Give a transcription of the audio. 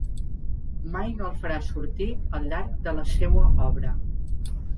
Mai no el farà sortir al llarg de la seua obra.